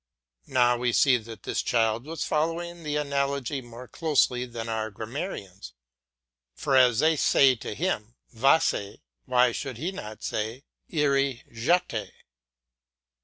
Now we see that this child was following the analogy more closely than our grammarians, for as they say to him, "Vas y," why should he not say, "Irai je t y?"